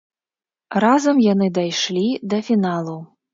Разам яны дайшлі да фіналу.